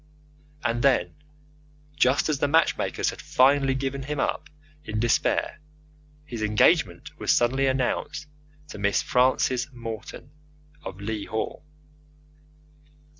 And, then, just as the matchmakers had finally given him up in despair, his engagement was suddenly announced to Miss Frances Morton, of Leigh Hall.